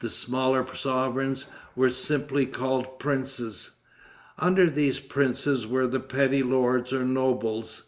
The smaller sovereigns were simply called Princes. Under these princes were the petty lords or nobles.